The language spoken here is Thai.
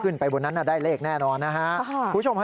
ขึ้นไปบนนั้นได้เลยแน่นอนนะฮะ